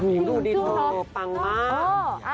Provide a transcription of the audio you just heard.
พรุ่งดูดิโลปังมาก